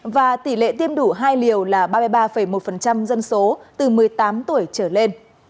và tỷ lệ tiêm đủ hai liều là ba mươi ba một dân số từ một mươi tám tuổi trở lên